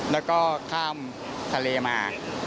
แล้วก็ข้ามทะเลมา